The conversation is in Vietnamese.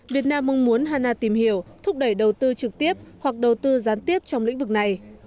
việt nam mong muốn hana tìm hiểu thúc đẩy đầu tư trực tiếp hoặc đầu tư gián tiếp trong lĩnh vực này